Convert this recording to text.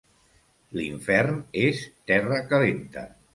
L'infern és terra calenta.